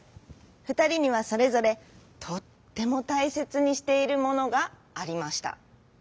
ふたりにはそれぞれとってもたいせつにしているものがありました。